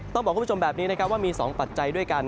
ต้องบอกคุณผู้ชมแบบนี้นะครับว่ามี๒ปัจจัยด้วยกัน